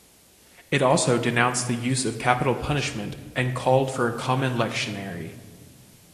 It also denounced the use of capital punishment and called for a common lectionary.